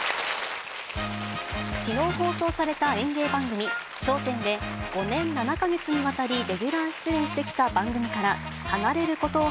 きのう放送された演芸番組、笑点で５年７か月にわたりレギュラー出演してきた番組から離れるはい。